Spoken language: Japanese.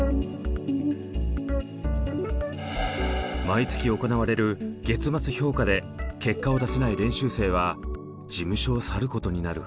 毎月行われる「月末評価」で結果を出せない練習生は事務所を去ることになる。